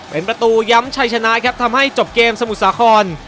เป็นประตูย้ำชัยชนะครับทำให้จบเกมสมุทรสาคร